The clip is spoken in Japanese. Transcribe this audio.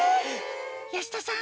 保田さん